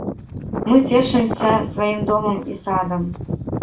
Мы цешымся сваім домам і садам.